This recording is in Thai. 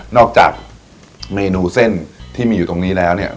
จากเมนูเส้นที่มีอยู่ตรงนี้แล้วเนี่ย